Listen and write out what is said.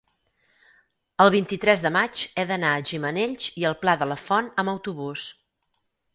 el vint-i-tres de maig he d'anar a Gimenells i el Pla de la Font amb autobús.